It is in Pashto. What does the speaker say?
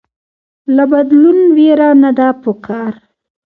له بدلون ويره نده پکار